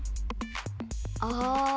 ああ。